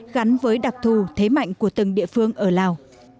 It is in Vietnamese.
gắn với đặc thù thế mạnh của từng địa phương ở lào